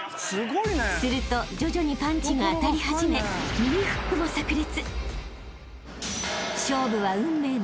［すると徐々にパンチが当たり始め右フックも炸裂］